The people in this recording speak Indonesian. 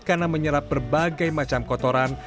karena menyerap berbagai macam kotoran